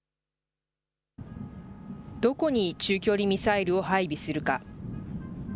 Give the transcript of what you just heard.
どこに中距離ミサイルを配備するか。